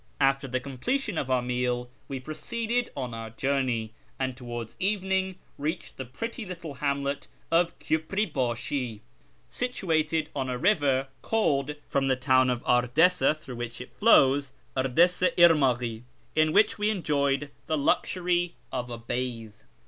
After the completion of our meal we proceeded on our journey, and towards evening reached the pretty little hamlet of Kyiipri bashi situated on a river called, from the town of Ardessa through which it flows, Ardessa irmaghi, in which we enjoyed the luxury of a bathe.